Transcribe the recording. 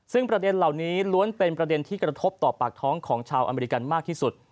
ซึ่งประเด็นเหล่านี้ล้วนเป็นประเด็นที่กระทบต่อปากท้องของชาวอเมริกันมากที่สุด